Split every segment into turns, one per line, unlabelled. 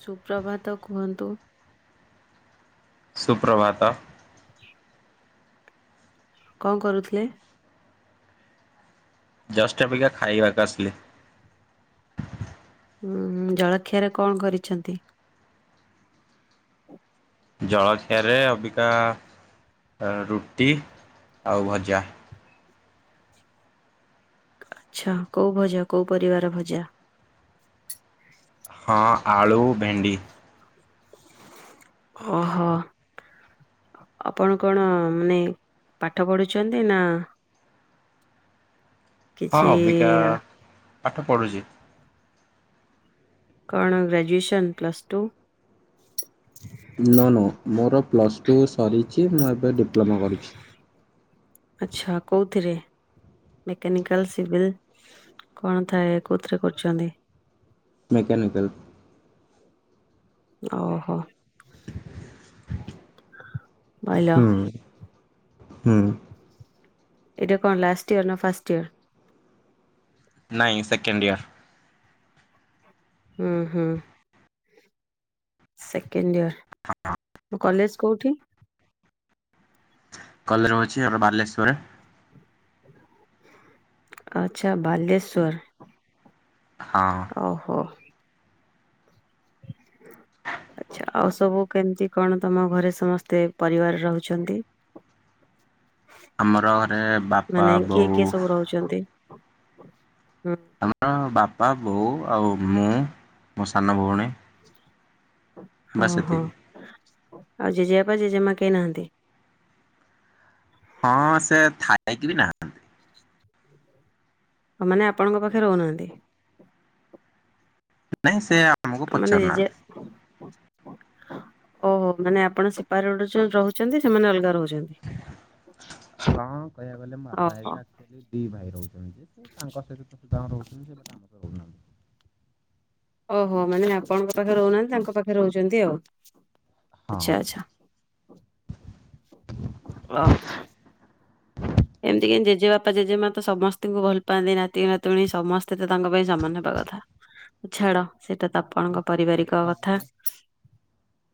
ସୁପ୍ରଭାତ କୁହନ୍ତୁ।
ସୁପ୍ରଭାତ।
କଣ କରୁଥିଲେ?
ଜଷ୍ଟ ଅବିକା ଖାଇବାକୁ ଆସିଲି।
ଉଁ ହୁଁ ଜଳଖିଆରେ କଣ କରିଛନ୍ତି?
ଜଳଖିଆରେ ଅବିକା ଅ ରୁଟି ଆଉ ଭଜା।
ଆଚ୍ଛା କୋଉ ଭଜା କୋଉ ପରିବାର ଭଜା?
ହଁ ଆଳୁ, ଭେଣ୍ଡି।
ଓହୋ। ଆପଣ କଣ ମାନେ ପାଠ ପଢୁଛନ୍ତି ନା [inaudible]
ହଁ
କିଛି
ଅବିକା ପାଠ ପଢ଼ୁଛି।
କଣ graduation plus two?
No no ମୋର ପ୍ଲସ୍ ଟୁ ସରିଛି ମୁଁ ଏବେ ଡିପ୍ଲୋମା କରୁଛି।
ଆଚ୍ଛା କୋଉ ମେକାନିକାଲ, ସିଭିଲ୍ କଣ ଥାଏ କଉଥିରେ କରୁଛନ୍ତି?
ମେକାନିକାଲ।
ଓହୋ। ଭଲ
ହୁଁ ହୁଁ।
ଏଇଟା କଣ ଲାଷ୍ଟ ଇୟର ନା ଫାଷ୍ଟ ଇୟର?
ନାଇଁ ସେକେଣ୍ଡ ଇୟର।
ଉଁ ହୁଁ। Second year.
[unintelligible]
କଲେଜ୍ କଉଠି?
କଲେରେ ରହୁଛି ଏବେ ବାଲେଶ୍ଵରେ।
ଆଚ୍ଛା ବାଲେଶ୍ୱର।
ହଁ।
ଓହୋ। ଆଚ୍ଛା। ଆଉ ସବୁ କେମିତି କଣ ତମ ଘରେ ସମସ୍ତେ ପରିବାର ରହୁଛନ୍ତି?
ଆମର ଘରେ ବାପା
ମାନେ କିଏ
ବୋଉ
କିଏ ସବୁ ରହୁଛନ୍ତି? ହୁଁ
ଆମର ବାପା, ବୋଉ ଆଉ ମୁଁ, ମୋ ସାନ ଭଉଣୀ। ବାସ୍
ଓହୋ।
ଏତିକି
ଆଉ ଜେଜେବାପା, ଜେଜେମା କେହି ନାହାନ୍ତି?
ହଁ ସେ ଥାଇକି ବି ନାହାନ୍ତି।
ମାନେ ଆପଣଙ୍କ ପାଖେ ରହୁନାହାନ୍ତି।
ନାଇଁ ସେଆ
ମାନେ ଯେଜେ ଓହୋ ମାନେ ଆପଣ ସିପାର ଗୋଡେ ଯୋଉ ରହୁଛନ୍ତି। ସେମାନେ ଅଲଗା ରହୁ
ହଁ କହିବାକୁ ଗଲେ ମୋ ବାପା
ଓହୋ
ହେରିକା ଆକ୍ଚୁଆଲି ଦି ଭାଇ ରହୁଛନ୍ତି। ତାଙ୍କ ସହିତ ତ ସୁଧାଣ ରହୁଛନ୍ତି। ସେ ବାଟା ଆମର ରହୁନାହାନ୍ତି।
ଓହୋ ମାନେ ଆପଣଙ୍କ ପାଖରେ ରହୁନାହାନ୍ତି। ତାଙ୍କ ପାଖରେ ରହୁଛନ୍ତି ଆଉ।
ହଁ
ଆଚ୍ଛା ଆଚ୍ଛା। ଓହୋ। ଏମିତି କେମିତି ଜେଜେ ବାପା ଜେଜେ ମା ତ ସମସ୍ତଙ୍କୁ ଭଲ ପାଆନ୍ତି। ନାତି ନାତୁଣୀ ସମସ୍ତେ ତ ତାଙ୍କ ପାଇଁ ସମାନ ହେବା କଥା ଛାଡ। ସେଇଟା ତ ଆପଣଙ୍କ
ବଟ୍ ତାଙ୍କ
ପାରିବାରିକ କଥା।
ଆଗରେ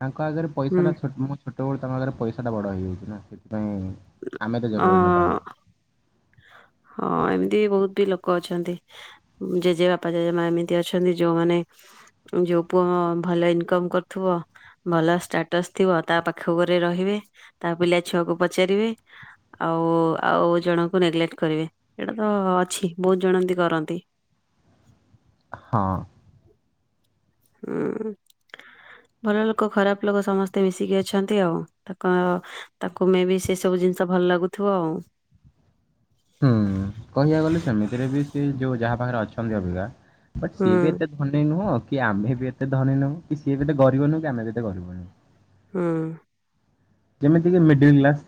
ତାଙ୍କ ଆଗରେ
ହୁଁ
ପଇସା ଟା ଛୋଟ ମୁଁ ଛୋଟବେଳୁ ତାଙ୍କ ଆଗରେ ପଇସା ଟା ବଡ ହେଇଯାଇଛି ନା। ପାଇଁ ଆମେ ତ ଜରୁରୀ ନୁହଁ
ଅ
ତାଙ୍କ ପାଇଁ।
ହଁ। ହଁ ଏମିତି ବି ବହୁତ ବି ଲୋକ ଅଛନ୍ତି। ଜେଜେବାପା ଜେଜେମା ଏମିତି ଅଛନ୍ତି। ଯୋଉମାନେ ଯୋଉ ପୁଅ ଭଲ ଇନକମ୍ କରୁଥିବ। ଭଲ ଷ୍ଟାଟସ ଥିବ ତା ପାଖ ଗୁରେ ରହି ତା ପିଲା ଛୁଆକୁ ପଚାରିବେ। ଆଉ ଆଉ ଜଣ ନେଗେଲେକ୍ଟ କରିବେ। ଏଇଟା ତ ଅଛି ବହୁତ ଜଣ ଏମିତି କରନ୍ତି।
ହଁ।
ହୁଁ। ଭଲ ଲୋକ ଖରାପ ଲୋକ ସମସ୍ତେ ମିଶିକି ଅଛନ୍ତି ଆଉ। ତାକୁ ମେ ବି ସେ ସବୁ ଜିନିଷ ଭଲ ଲାଗୁଥିବ ଆଉ।
ହୁଁ କହିବାକୁ ଗଲେ ସେମିତିରେ ବି ସେ ଯୋଉ ଯାହା ପାଖରେ ଅଛନ୍ତି ଅବିକା ବଟ୍
ହୁଁ
ସିଏ ବି ଏତେ ଧନୀ ନୁହଁ। କି ଆମେ ବି ଏତେ ଧନୀ ନୁହୁଁ। କି ସିଏ ବି ଏତେ ଗରିବ ନୁହୁଁ। କି ଆମେ ବି ଏତେ ଗରିବ ନୁହୁଁ।
ହୁଁ।
ଯେମିତିକି ମିଡିଲ୍ କ୍ଲାସ୍।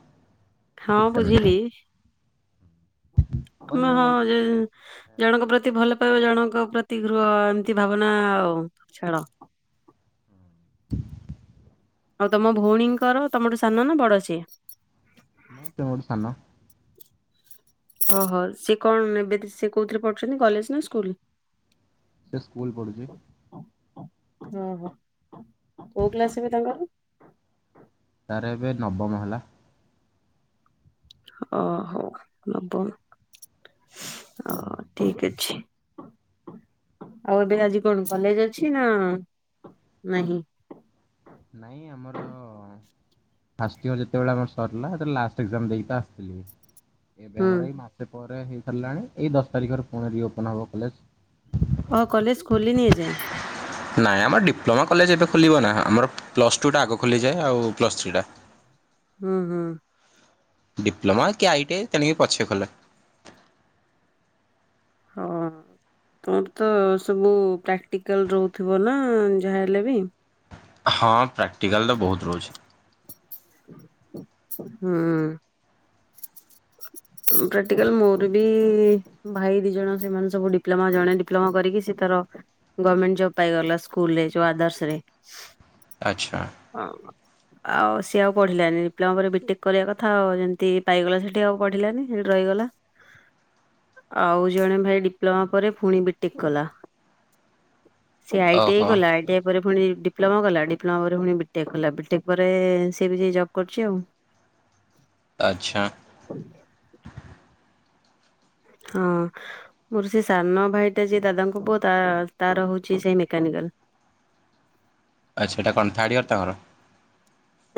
ହଁ
ଠିକ୍ ସେମିତି
ବୁଝିଲି। ଆମ
କହିବାକୁ
ହଁ
ଗଲେ
ଜଣଙ୍କ ପ୍ରତି ଭଲ ଅତୟ ଜଣଙ୍କ ପ୍ରତି ଗୃହ ଏମତି ଭାବନା ଆଉ ଛାଡ।
[inaudible]
ଆଉ ତମ ଭଉଣୀଙ୍କର ତମଠୁ ସାନ ନା ବଡ ସିଏ?
ନାଇଁ ସିଏ ମୋଠୁ ସାନ।
ଓହୋ। ସେ କଣ ଏବେ ସେ କୋଉଥିରେ ପଢୁଛନ୍ତି କଲେଜ୍ ନା ସ୍କୁଲ?
ସେ ସ୍କୁଲ ପଢୁଛି।
ଓହୋ। କୋଉ କ୍ଲାସ ଏବେ ତାଙ୍କର?
ତାରେ ଏବେ ନବମ ହେଲା।
ଓହୋ ନବମ ଓ ଠିକ୍ ଅଛି। [inaudible] ଆଉ ଏବେ ଆଜି କଣ କଲେଜ ଅଛି ନା ନାହିଁ?
ନାଇଁ ଆମର ଫାଷ୍ଟ ଇୟର ଯେତେବେଳେ ଆମର ସରିଲା। ସେତେବେଳେ ଲାଷ୍ଟ ଏଗ୍ଜାମ୍ ଦେଇକି ପା ଆସିଥିଲି। ଏବେ
ହୁଁ
ଆମର ଏଇ ମାସେ ପରେ ହେଇ ସାରିଲାଣି। ଏଇ ଦଶ ତାରିଖରେ ପୁଣି ରିଓପନ ହବ କଲେଜ୍।
ଓ କଲେଜ ଖୋଲିନି ଏଯାଏଁ?
ନାଇଁ ଆମର ଡିପ୍ଲୋମା କଲେଜ ଏବେ ଖୋଲିବ ନା। ଆମର ପ୍ଲସ୍ ଟୁଟା ଆଗ ଖୋଲିଯାଏ ଆଉ ପ୍ଲସ୍ ଥ୍ରୀଟା।
ହୁଁ ହୁଁ।
ଡିପ୍ଲୋମା କି ଆଇଟି ଆଇ ତେଣିକି ପଛେ ଖୋଲେ।
ହଁ ହଁ। ତମର ତ ସବୁ ପ୍ରାକ୍ଟିକାଲ୍ ରହୁଥିବ ନା ଯାହାହେଲେ ବି।
ହଁ ପ୍ରାକ୍ଟିକାଲ ତ ବହୁତ ରହୁଛି।
ହୁଁ। ପ୍ରାକ୍ଟିକାଲ, ମୋର ବି ଭାଇ ଦି ଜଣ ସେମାନେ ସବୁ ଡିପ୍ଲୋମା ଜଣେ ଡିପ୍ଲୋମା କରିକି ସେ ତାର ଗମେଣ୍ଟ ଜବ ପାଇଗଲା ସ୍କୁଲରେ ଯଉ ଆଦର୍ସ ରେ।
ଆଚ୍ଛା।
ଆଉ ସେ ସେ ଆଉ ପଢିଲାନି। ଡିପ୍ଲୋମା ପରେ ବିଟେକ୍ କରିବା କଥା, ଆଉ ଯେମିତି ପାଇଗଲା ସେଠି ଆଉ ପଢିଲାନି ସେଠି ରହିଗଲା। ଆଉ ଜଣେ ଭାଇ ଡିପ୍ଲୋମା ପରେ ଫୁଣି ବିଟେକ୍ କଲା। ସେ ଆଇଟିଆଇ
ଓହୋ।
କଲା। ଆଇଟିଆଇ ପରେ ପୁଣି ଡିପ୍ଲୋମା କଲା, ଡିପ୍ଲୋମା ପରେ ପୁଣି ବିଟେକ୍ କଲା, ବିଟେକ୍ ପରେ ସେ ଏବେ ଯାଇ ଜବ୍ କରୁଛି ଆଉ।
ଆଚ୍ଛା।
ହଁ, ମୋର ସେ ସାନ ଭାଇଟା ଯେ ଦାଦାଙ୍କ ପୁଅ ତା-ତାର ହଉଛି ସେଇ ମେକାନିକା [inaudible]
ଆଚ୍ଛା ଏଇଟା କଣ ଥାର୍ଡ଼ ଇୟର ତାଙ୍କର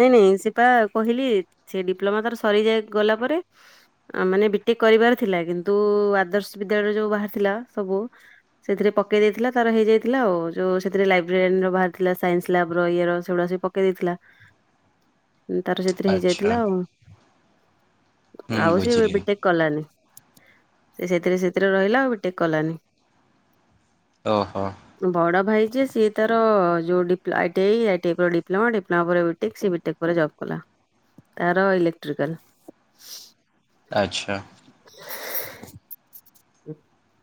ନାଇଁ ନାଇଁ ସିପା କହିଲି ସେ ଡିପ୍ଲୋମା ତାର ସରିଯାଇ ଗଲା ପରେ ମାନେ ବି କରିବାର ଥିଲା କିନ୍ତୁ ଆଦର୍ଶ ବିଦ୍ୟାଳୟରେ ଯୋଉ ବାହାରି ଥିଲା ସବୁ ସେଥିରେ ପକେଇ ଦେଇଥିଲା ତାର ହେଇଯାଇଥିଲା ଆଉ। ଯୋଉ ସେଥିରେ ଲାଇବ୍ରେରୀ ର ବାହାରିଥିଲା ସାଇନ୍ସ ଲ୍ୟାବ ର ଇଏ ସେଗୁଡା ସବୁ ପକେଇ ଦେଇଥିଲା। ତାର ସେଥିରେ
ଆଚ୍ଛା
ହେଇଯାଇଥିଲା ଆଉ।
ହୁଁ
ଆଉ ସେ
ବୁଝିଲି।
ବିଟେକ୍ କଲାନି। ସେ ସେଥିରେ ସେଥିରେ ରହିଲା ଆଉ ବିଟେକ୍ କଲାନି।
ଓହୋ
ବଡ ଭାଇ ଯେ ସିଏ ତାର ଯେଉ ଡିପ୍ଲୋ-ଆଇଟିଆଇ, ଆଇଟିଆଇ ପରେ ଡି୍ଲୋମା ଡିପ୍ଲୋମା ପରେ, ବି ଟିକ୍ ସେ ବିଟେକ୍ ପରେ ଜବ୍ କଲା। ତାର ଇଲେକ୍ଟ୍ରିକାଲ।
ଆଚ୍ଛା।
[inaudible]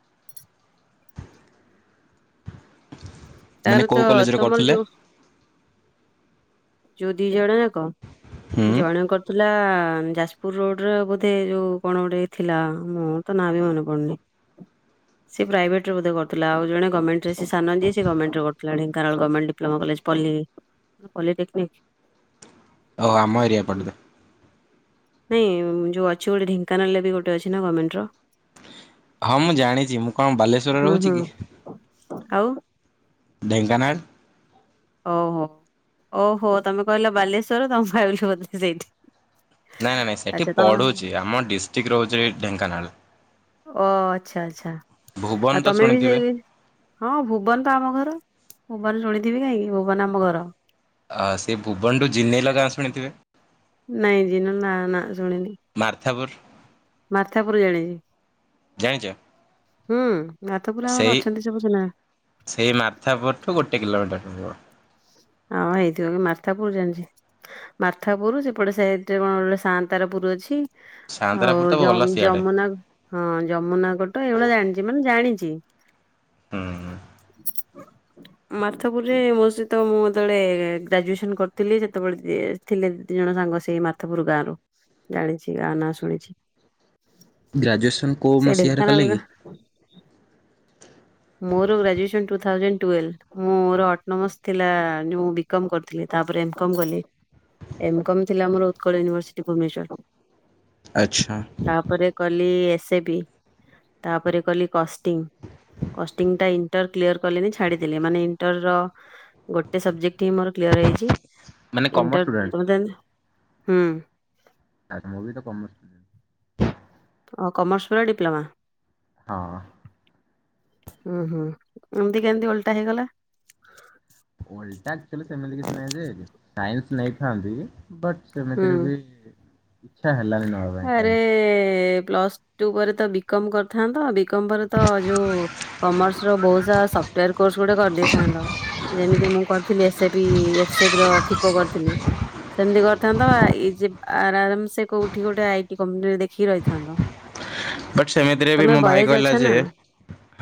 ତାର
ମାନେ
ତ
କୋଉ କଲେଜରେ
ତମର
କରୁଥିଲେ?
ଯୋଉ ଯୋଉ ଦି ଜଣ ଯାକ,
ହୁଁ
ଯଣେ କରଥିଲୁ ହେଲା ଯାଜପୁର ରୋଡରେ ବୋଧେ ଯୋଉ କଣ ଗୋଟେ ଥିଲା। ମୁଁ ତ ନାଁ ବି ମନେ ପଡୁନି। [inaudible] ସେ ପ୍ରାଇଭେଟ୍ ରେ ବୋଧେ କରିଥିଲା। ଆଉ ଜଣେ ଗୋର୍ମେଣ୍ଟ ରେ ସେ ସାନ ଯିଏ ଗୋର୍ମେଟ ରେ କରୁଥିଲା। ଢେଙ୍କାଳ ଗୋର୍ମେଟ ଡିପ୍ଲୋମା କଲେଜ ପଲି-ପଲିଟେକନିକ୍।
ଓ ଆମ ଏରଆପଡ଼ଦ
ନାଇଁ ଯୋଉ ଅଛି ଗୋଟେ ଢେଙ୍କାନାଳରେ ବି ଗୋଟେ ଅଛି ନା ଗୋର୍ମେଣ୍ଟ ର।
ହଁ ମୁଁ ଜାଣିଛି। ମୁଁ କଣ ବାଲେଶ୍ଵରରେ
ହୁଁ
ରହୁଛି
ହୁଁ।
କି?
ଆଉ
ଢେଙ୍କାନାଳ।
ଓହୋ। ଓହୋ ତମେ କହିଲ ବାଲେଶ୍ଵର, ତ ମୁଁ ଭାବିଲି ବୋଧେ ସେଇଠି।
ନାଇଁ ନାଇଁ। ନାଇଁ ସେଠି
ଆଚ୍ଛା ତ
ପଢୁଛି। ଆମ ଡିଷ୍ଟ୍ରିକ୍ଟ ରହୁଛି ଢେଙ୍କାନାଳ।
ଓ ଆଚ୍ଛା ଆଛା।
ଭୁବନ
ଆଉ
ତ
ତମେ ବି
ଶୁଣିଥିବେ?
ସେଇ, ହଁ ଭୁବନ ତ ଆମ ଘର। ଭୁବନ ଶୁଣିଥିବି କାହିଁକି। ଭୁବନ ଆମ ଘର।
ଆ ସେ ଭୁବନଠୁ ଜିନେଇଲ ଗାଁ ଶୁଣିଥିବେ?
ନାଇଁ ଯିିନ ନା ନା
ମାର୍ଥାପୁର୍
ମାର୍ଥାପୁର୍ ଜାଣିଛି।
ଜାଣିଛ?
ହୁଁ। ମାର୍ଥାପୁର ଆମର
ସେଇ,
ଅଛନ୍ତି ସବୁ ଚିହ୍ନା।
ସେଇ ମାର୍ଥାପୂର୍ ରୁ ଗୋଟେ କିଲୋମିଟର ହବ।
ହଁ ହେଇଥିବ, କିନ୍ତୁ ମାର୍ଥାପୂର୍ ଜାଣିଛି। ମାର୍ଥାପୂର୍ ସେପଟେ ସାଇଟ୍ ରେ କଣ ଗୋଟେ ସାଆନ୍ତାର ପୁର ଅଛି।
ସାଆନ୍ତରାପୁର ତ ଗଲା
ଆଉ
ସିଆଡ଼େ
ଯମୁନା ହଁ ଯମୁନା କଟ ଏଇଭଳିଆ ଜାଣିଛି। ମାନେ ଜାଣିଛି। କିି?
ହୁଁ ହୁଁ।
ମାର୍ଥପୁରରେ ମୋ ସହିତ ମୋ ଯେତେବେଳେ ଗ୍ରାଜୁଏସନ କରୁଥିଲି ସେତେବେଳେ ଦି ଏ ଥିଲେ ଦି ଜଣ ସାଙ୍ଗ ସେଇ ମାର୍ଥପୁରୁ ଗାଁ ରୁ। ଜାଣିଛି ଗାଁ ନା ଶୁଣିଛି।
ଗ୍ରାଜୁଏସନ୍ କୋଉ
ସେ
ମସିହାରେ କଲେ
ଢେଙ୍କାନାଳ ର।
କି
ମୋର ଗ୍ରାଜୁଏସନ୍ ଟୁ ଥାଉଜେଣ୍ଡ ଟ୍ୱେଲ ମୋର ଅଟନୋମସ ଥିଲା ଯଉ ବୀ କମ୍ କରୁଥିଲି ତାପରେ ଏମ କମ୍ କଲି ଏମ କମ୍ ଥିଲା ଆମର ଉତ୍କଳ ୟୁନିଭରସିଟି ଭୁବନେଶ୍ଵର।
ଆଚ୍ଛା।
ତାପରେ କଲି ସେ ପି ତାପରେ କଲି କଷ୍ଟିଙ୍ଗ। କଷ୍ଟିଙ୍ଗ ଟା ଇଣ୍ଟର କ୍ଲିୟର କଲିନି ଛାଡିଦେଲି ମାନେ ଇଣ୍ଟର ର ଗୋଟେ ସବଜେକ୍ଟ ଟି ମୋର କ୍ଲିୟର ହେଇଛି
ମାନେ କମର୍ସ ଷ୍ଟୁଡେଣ୍ଟ
ଇଣ୍ଟର [unintelligible] ହୁଁ।
ଆଚ୍ଛା ମୁଁ ତ କମର୍ସ ଷ୍ଟୁଡେଣ୍ଟ।
ଓ କମର୍ସ ପରେ ଡିପ୍ଲୋମା।
ହଁ।
ହୁଁ ହୁଁ ଏମିତି କେମିତି ଓଲଟା ହେଇଗଲା?
ଓଲଟା ଆକଚୁଲି ସେମିତି କିଛି ନାହିଁ ଯେ ସାଇନ୍ସ ନେଇଥାନ୍ତି ବଟ୍
ହୁଁ
ସେମିତିରେ ବି
[inaudible]
ଇଚ୍ଛା ହେଲାନି ନବା ପାଇଁ
ଆରେ
ସାଇନ୍ସ।
ପ୍ଲସ ଟୁ ପରେ ତ ବି କମ୍ କରିଥାନ୍ତ ବି ବି କମ ପରେ ତ ଯୋଉ କମର୍ସ ର ବହୁତ ସାରା ସଫ୍ଟୱୟାର କୋର୍ସ ଗୋଟେ କରିଦେଇଥାନ୍ତ। ଯେମିତି ମୁଁ କରିଥିଲି ଏସ୍ ସେ ପି ଏଫ ସେ ପି ର ଫିକୋ କରିଥିଲି ସେମିତି କରିଥାନ୍ତ ନା ଇଜି ଆର ଆରାମ ସେ କୋଉଠି ଗୋଟେ ଆଇ ଟି କମ୍ପାନୀରେ ଦେଖିକି ରହିଥାନ୍ତ।
ବଟ୍ ସେମିତିରେ ବି
ତମେ
ମୋ ଭାଇ
ବଏଜ ଅଛ
କହିଲା ଯେ।
ନା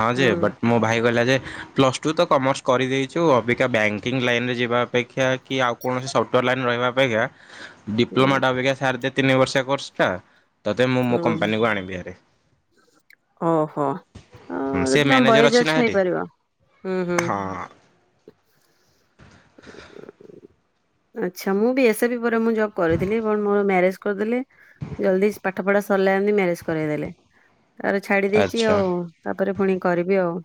ହଁ ଯେ,
ହୁଁ
ବଟ୍ ମୋ ଭାଇ କହିଲା ଯେ, ପ୍ଲସ ଟୁ ତ କମର୍ସ କରିଦେଇଚୁ ଅବି କା ବ୍ୟାଙ୍କିଙ୍ଗ୍ ଲାଇନ ରେ ଯିବା ଅପେକ୍ଷା କି ଆଉ କୌଣସି ସଫ୍ଟୱୟାର ଲାଇନରେ ରହିବା ଅପେକ୍ଷା
ହୁଁ
ଡିପ୍ଲୋମା ଟା ଅବିକା ସାରଦେ ତିନି ବର୍ଷଆ କୋର୍ସଟା ତୋତେ ମୁଁ ମୋ
ହୁଁ
କମ୍ପାନୀକୁ ଆଣିବି ହେରି।
ଓହୋ ଅଁ
ହୁଁ ସେ
ଯଦି ତମ
ମ୍ୟାନେଜର
ବଏଜ
ନା
ଅଛି
ହେଠି
ହେଇପାରିବ ହୁଁ ହୁଁ। [inaudible]
ହଁ
ଆଚ୍ଛା ମୁଁ ବି ଏସ ଏ ପି ପରେ ମୁଁ ଜବ୍ କରିଥିଲି ବଟ୍ ମୋର ମ୍ୟାରେଜ୍ କରିଦେଲେ ଜଲଦି ପାଠ ପଢା ସରିଲା ଏମିତି ମ୍ୟାରେଜ କରେଇ ଦେଲେ। ତା ପରେ ଛାଡି ଦେଇଛି
ଆଚ୍ଛା
ଆଉ ତାପରେ ପୁଣି କରିବି ଆଉ।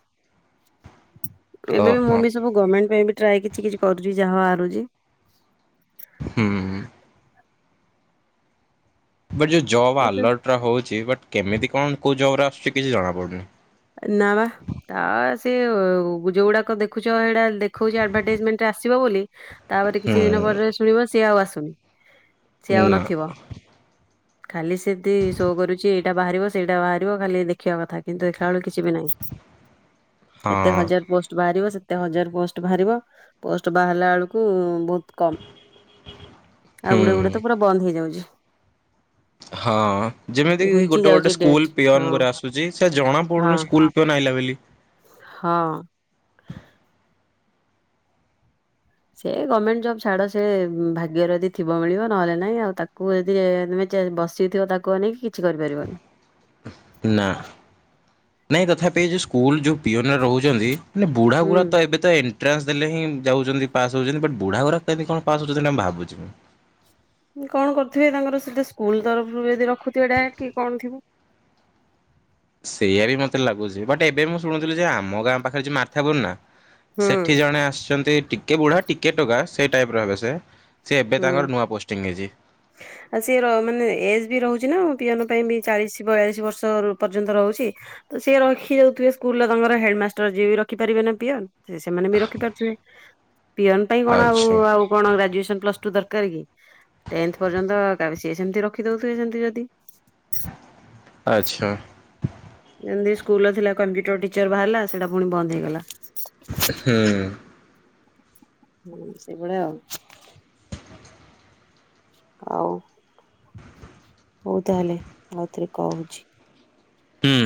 ଏବେ
ଓହୋ
ମୁଁ ବି ସବୁ ଗମେଣ୍ଟ ପାଇଁ ବି ଟ୍ରାଏ କିଛି କିଛି କରୁଛି ଯାହା ବାହାରୁଛି।
ହୁଁ। ବଟ୍ ଯୋଉ ଜବ୍
କିନ୍ତୁ
ଆଲର୍ଟ ରେ ହଉଚି ବଟ୍ କେମିତି କଣ କୋଉ ଜବ୍ ର ଆସୁଚି କିଛି ଜଣା ପଡୁନି।
ନା ବା ତା ସେ ଉ ଯୋଉଗୁଡାକ ଦେଖୁଚ ସେଇଗୁଡା ଦେଖଉଚି ଆଡଭାଟାଇଜମେଣ୍ଟ ଆସିବ ବୋଲି ତାପରେ
ହୁଁ
କିଛି ଦିନ ପରେ ଶୁଣିବ ସିଏ ଆଉ ଆସୁନି। ସିଏ ଆଉ
ନା।
ନଥିବ ଖାଲି ସେମତି ଶୋ କରୁଛି ଏଇଟା ବାହାରିବ ସେଇଟା ବାହାରିବ ଖାଲି ଦେଖିବା କଥା କିନ୍ତୁ ଦେଖିଲା ବେଳୁ କି କିଛି ବି ନାହିଁ ଏତେ
ହଁ
ହଜାର ପୋଷ୍ଟ ବାହାରିବ ସେ କେତେ ହଜାର ପୋଷ୍ଟ ବାହାରିବ ପୋଷ୍ଟ ବାହାରିଲା ବେଳକୁ ବହୁତ୍ କମ୍ ଆଉ ଗୁଡେ ଗୁଡେ
ହୁଁ।
ତ ପୁରା ବନ୍ଦ ହେଇଯାଉଛି।
ହଁ ଯେମିତିକି
ଘୁଞ୍ଚି
ଗୋଟେ ଗୋଟେ
ଯାଉଛି ଡେଟ
ସ୍କୁଲ୍
ହଁ
ପିଅନ୍ ଗୁରା ଆସୁଚି ସେ ଜଣା
ହଁ
ପଡୁନି ସ୍କୁଲ୍ ପିଅନ ଆଇଲା ବୋଲି।
ହଁ। ସେ ଗମେଣ୍ଟ ଜବ୍ ଛାଡ ସେ ଉଁ ଭାଗ୍ୟରେ ଯଦି ଥିବ ମିଳିବ ନହେଲେ ନାଇଁ ଆଉ ତାକୁ ଯଦି ଏମି ଚାହି ବସିଥିବ ତାକୁ ଅନେଇ କି କିଛି କରିପାରିବନି।
ନା ନାଇଁ ତଥାପି ଏ ଯଉ ସ୍କୁଲ ଯଉ ପିଅନ ରହୁଚନ୍ତି। ମାନେ ବୁଢା
ହୁଁ।
ଗୁଡା ତ ଏବେ ତ ଏନ ଏନଟ୍ରାନସ୍ ଦେଲେ ହିଁ ଯାଉଛନ୍ତି ପାସ୍ ହଉଚନ୍ତି ବଟ୍ ବୁଢା ଗୁରା କେମିତି କଣ ପାସ୍ ହଉଛନ୍ତି? ସେଇଟା ଭାବୁଚି ମୁଁ।
କଣ କରୁଥିବେ ତାଙ୍କର ସେଠି ସ୍କୁଲ୍ ତରଫରୁ ଯଦି ରଖୁଥିବେ ଡାଇରେକ୍ଟ କି କଣ ଥିବ। [inaudible]
ସେଇଆ ବି ମୋତେ ଲାଗୁଛି, ବଟ୍ ଏବେ ମୁଁ ଶୁଣୁଥିଲି ଯେ ଆମ ଗାଁ ପାଖରେ ଯଉ ମାର୍ଥାପୁର ନା
ହୁଁ
ସେଠି ଜଣେ ଆସୁଛନ୍ତି ଟିକେ ବୁଢା, ଟିକେ ଟୋକା, ସେଇ ଟାଇପ୍ ର ହେବେ ସେ ଏବେ
ହୁଁ
ତାଙ୍କର ନୂଆ ପୋଷ୍ଟିଂ ହେଇଛି
ଆଉ ସିଏ ମାନେ ଏଜ୍ ବି ରହୁଚି ନା। ପିଅନ ପାଇଁ ବି ଚାଳିଶ ବୟାଳିଶ ବର୍ଷ ପର୍ଯ୍ୟନ୍ତ ରହୁଚି, ତ ସିଏ ରଖି ଦଉଥିବେ ସ୍କୁଲ୍ ର ତାଙ୍କର ହେଡ୍ ମାଷ୍ଟର ଯିଏ ବି ରଖି ପାରିବେ ନା ପିଅନ୍। ସେମାନେ ବି ରଖିପାରୁଥିବେ, ପିଅନ ପାଇଁ କଣ ଆଉ
ଆଚ୍ଛା
ଆଉ କଣ ଗ୍ରାଜୁଏସନ ପ୍ଲସ୍ ଟୁ ଦରକାର କି, ଟେନ୍ଥ ପର୍ଯ୍ୟନ୍ତି କାଫି ସିଏ ସେମତି ରଖି ଦଉଥିବେ ସେମତି ଯଦି।
ଆଚ୍ଛା।
ସେମତି ସ୍କୁଲର ଥିଲା କମ୍ପ୍ୟୁଟର ଟିଚର ବାହାରିଲା ସେଟା ପୁଣି ବନ୍ଦ ହେଇଗଲା।
ହୁଁ।
ହୁଁ ସେଇଭଳିଆ ଆଉ। ଆଉ। ହଉ ତାହେଲେ ଆଉଥରେ କହୁଛି।
ହୁଁ।